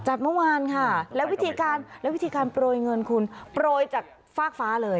เมื่อวานค่ะและวิธีการและวิธีการโปรยเงินคุณโปรยจากฟากฟ้าเลย